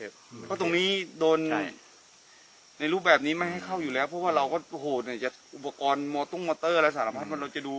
เพราะตรงนี้โดนในรูปแบบนี้ไม่ให้เข้าอยู่แล้วเพราะว่าเราก็โอ้โหเนี่ยอุปกรณ์โมตุ้งมอเตอร์อะไรสารพัดเราจะดู